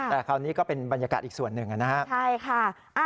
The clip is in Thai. แต่คราวนี้ก็เป็นบรรยากาศอีกส่วนหนึ่งนะครับใช่ค่ะ